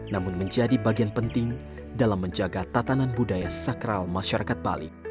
namun menjadi bagian penting dalam menjaga tatanan budaya sakral masyarakat bali